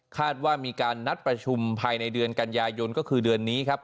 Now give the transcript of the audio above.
คาดว่ามีการนัดประชุมภายในเดือนกันยายนก็คือเดือนนี้ครับ